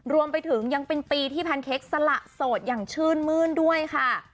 รวมไปถึงยังเป็นปีที่แพนเค้กสละโสดอย่างชื่นมื้นด้วยค่ะ